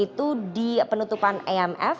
itu di penutupan emf